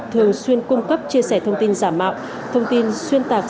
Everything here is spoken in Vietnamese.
thường xuyên cung cấp chia sẻ thông tin giả mạo thông tin xuyên tạc